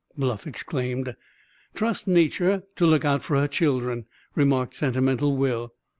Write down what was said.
Bluff exclaimed. "Trust Nature to look out for her children," remarked sentimental Will.